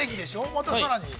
またさらに？